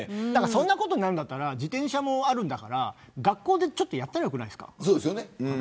そんなことになるんだったら自転車もあるんだから学校でやったらいいんじゃないですか。